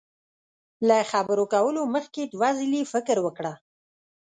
له خبرو کولو مخ کي دوه ځلي فکر وکړه